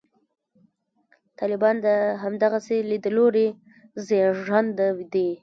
طالبان د همدغسې لیدلوري زېږنده دي.